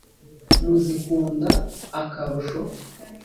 Muzikunda akarusho.